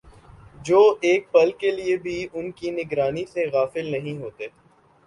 جو ایک پل کے لیے بھی ان کی نگرانی سے غافل نہیں ہوتے